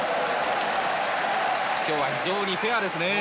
今日は非常にフェアですね。